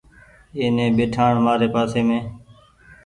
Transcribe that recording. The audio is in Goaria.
ائيني ٻئيٺآڻ مآري پآسي مينٚ